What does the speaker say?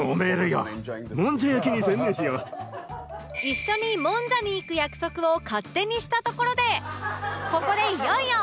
一緒にもんじゃに行く約束を勝手にしたところでここでいよいよ